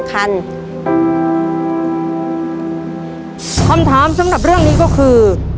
คำถามสำหรับเรื่องนี้ก็คือ